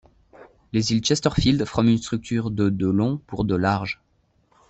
Les îles Chesterfield forment une structure de de long pour de large.